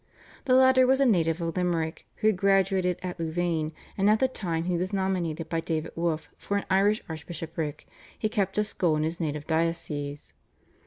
The latter was a native of Limerick, who had graduated at Louvain, and at the time he was nominated by David Wolf for an Irish archbishopric he kept a school in his native diocese.